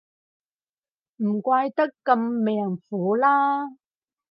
唔怪得咁命苦啦